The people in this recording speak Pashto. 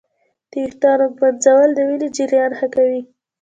د ویښتانو ږمنځول د وینې جریان ښه کوي.